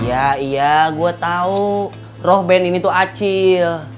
iya iya gue tahu roh band ini tuh acil